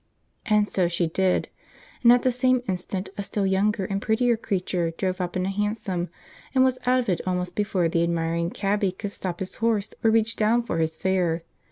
And so she did; and at the same instant a still younger and prettier creature drove up in a hansom, and was out of it almost before the admiring cabby could stop his horse or reach down for his fare.